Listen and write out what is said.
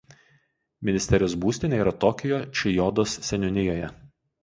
Ministerijos būstinė yra Tokijo Čijodos seniūnijoje.